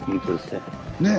ねえ。